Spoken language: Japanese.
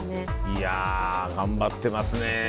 いや頑張ってますね。